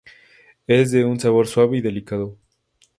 Es de un sabor suave y delicado.